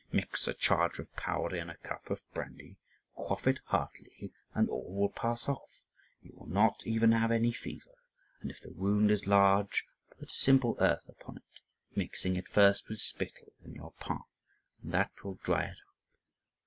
Mix a charge of powder in a cup of brandy, quaff it heartily, and all will pass off you will not even have any fever; and if the wound is large, put simple earth upon it, mixing it first with spittle in your palm, and that will dry it up.